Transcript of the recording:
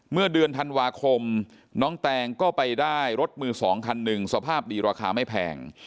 เมื่อเดือนธันวาคมน้องแตงก็ไปได้รถมือสองคันหนึ่งสภาพดีราคาไม่แพง